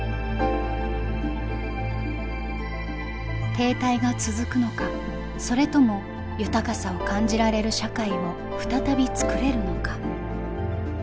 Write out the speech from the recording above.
停滞が続くのかそれとも豊かさを感じられる社会を再び作れるのか。